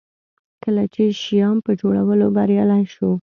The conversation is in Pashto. کله چې شیام په جوړولو بریالی شو.